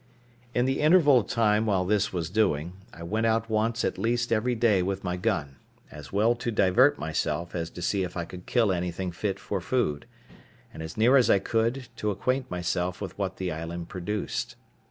In the interval of time while this was doing, I went out once at least every day with my gun, as well to divert myself as to see if I could kill anything fit for food; and, as near as I could, to acquaint myself with what the island produced.